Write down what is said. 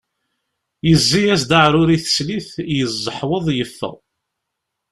Yezzi-as-d aɛrur i teslit, yezzeḥweḍ yeffeɣ.